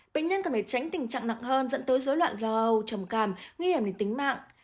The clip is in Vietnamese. bệnh nhân cần phải tránh tình trạng nặng hơn dẫn tới dối loạn do âu trầm cảm nguy hiểm đến tính mạng